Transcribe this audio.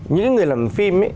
những người làm phim